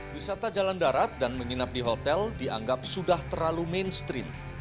wisata jalan darat dan menginap di hotel dianggap sudah terlalu mainstream